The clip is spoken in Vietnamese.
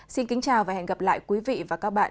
xin kính chào và hẹn gặp lại quý vị và các bạn